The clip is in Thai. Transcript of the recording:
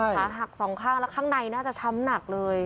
ขาหักสองข้างแล้วข้างในน่าจะช้ำหนักเลย